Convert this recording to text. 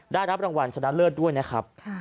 ได้รับรางวัลชนะเลิศด้วยนะครับ